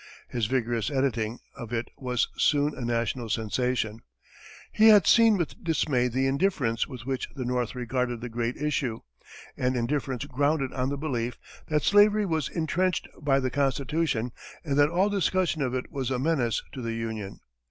His vigorous editing of it was soon a national sensation. He had seen with dismay the indifference with which the north regarded the great issue an indifference grounded on the belief that slavery was intrenched by the constitution and that all discussion of it was a menace to the Union.